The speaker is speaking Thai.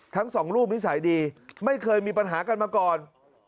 ทั้งสองรูปนิสัยดีไม่เคยมีปัญหากันมาก่อน